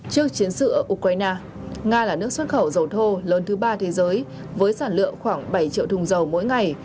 trước chiến sự ở ukraine nga là nước xuất khẩu dầu thô lớn thứ ba thế giới với sản lượng khoảng bảy triệu thùng dầu mỗi ngày